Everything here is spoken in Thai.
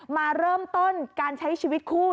มาเริ่มต้นการใช้ชีวิตคู่